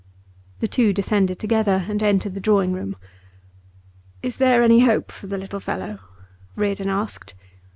The two descended together, and entered the drawing room. 'Is there any hope for the little fellow?' Reardon asked.